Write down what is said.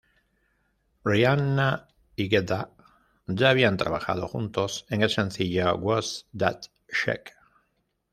Rihanna y Guetta ya habían trabajado juntos en el sencillo "Who's That Chick?